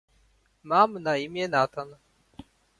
"Lecz Zbyszko potrząsnął swymi jasnymi włosami."